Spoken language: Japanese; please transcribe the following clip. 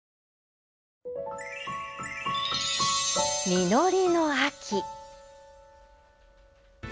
実りの秋。